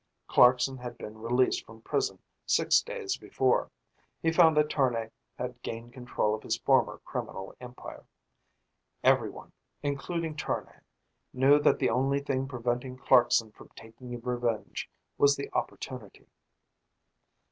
Clarkson had been released from prison six days before. He found that Tournay had gained control of his former criminal empire. Everyone, including Tournay, knew that the only thing preventing Clarkson from taking revenge was the opportunity.